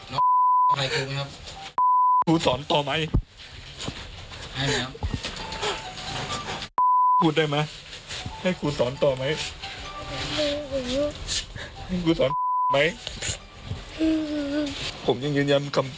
น้องใครคุ้มครับ